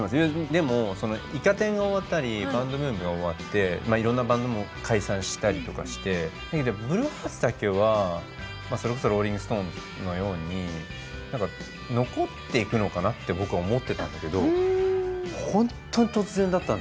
でも「イカ天」が終わったりバンドブームが終わっていろんなバンドも解散したりとかしてブルーハーツだけはそれこそローリング・ストーンズのように何か残っていくのかなって僕は思ってたんだけどホントに突然だったんですよね。解散。